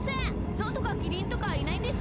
ゾウとかキリンとかいないんですか？